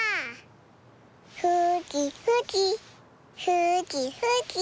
ふきふき。